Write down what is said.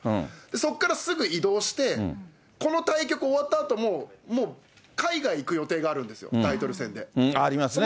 そこからすぐ移動して、この対局終わったあと、もう、海外行く予定があるんですよ、タイトル戦で。